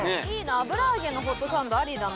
油揚げのホットサンドありだな。